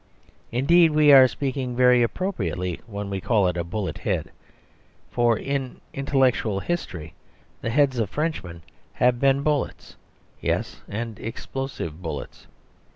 Indeed, we are speaking very appropriately when we call it a bullet head, for in intellectual history the heads of Frenchmen have been bullets yes, and explosive bullets.